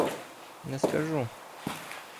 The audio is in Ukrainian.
— Не скажу.